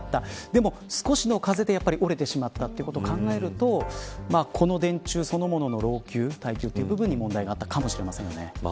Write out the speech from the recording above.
でも、少しの風で折れてしまったということを考えるとこの電柱そのものの老朽耐久という部分に問題があったかもしれません。